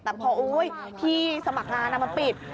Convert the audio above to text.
แต่พอที่สมัครงานเอามาปิด